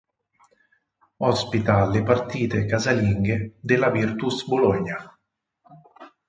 Ospita le partite casalinghe della Virtus Bologna.